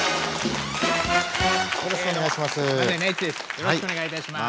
よろしくお願いします。